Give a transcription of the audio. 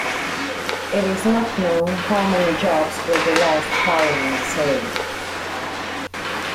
It is not known how many jobs will be lost following the sale.